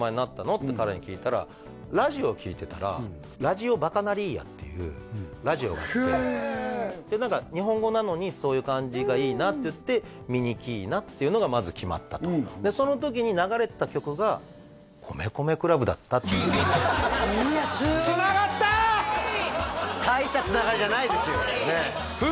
って彼に聞いたらラジオを聴いてたら「ラジオバカナリヤ」っていうラジオがあってで何か日本語なのにそういう感じがいいなっていって「ミニキーナ」っていうのがまず決まったとでその時に流れてた曲がいやすごい大したつながりじゃないですよ